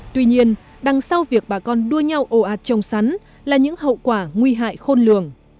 tuy nhiên đằng sau việc bà con đua nhau ồ ạt trồng sắn là những hậu quả nguy hại khôn lường